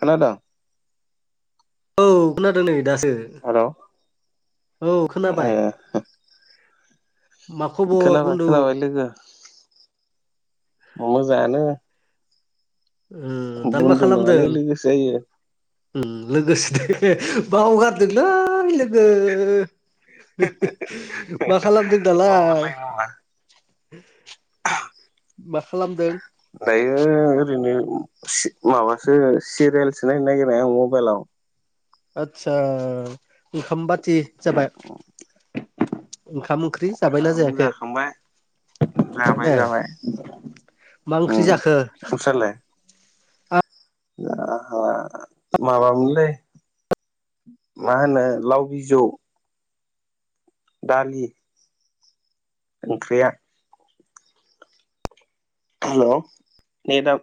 खानादों? औ खोनादों नै दासो हेलौ औ ए खोनाबाय? मा खबर बुन्दु? दोङो। मोजाङानो। उम दा मा बुन्दु नङालै खालामदों? लोगोसो जायो उम लोगोसे दोङो बावगारदोलै लोगो। मा खालामदों दालाय? बावगारलायो नामा मा खालामदों? दायो ओरैनो सि माबासो सिरियाेलसो नायनो नागिरनाय आं मबेलाव आदसा ओंखाम बाथि जाबाय? अ ओंखाम ओंख्रि जाबायना जायाखै? जाखांबाय [inaudible] जाबाय नो जाबाय मा उम ओंख्रि जाखो नोंस्रालाय [unintelligible] माबामोनलै मा होनो लाव बिजौ दालि ओंख्रिया [unintelligible] ने दा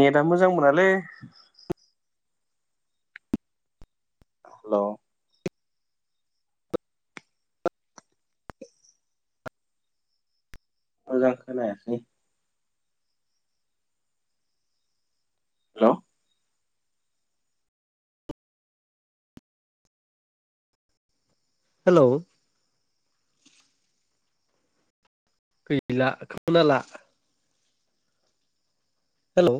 नेदा मोजांब्रा लै हेल' मोजां खोनायासै हेल' हेलौ गैला खोनाला हेल'